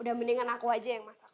udah mendingan aku aja yang masak